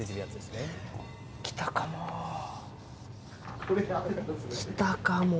きたかも。